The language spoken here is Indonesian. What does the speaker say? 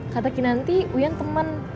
kata kinanti uian temen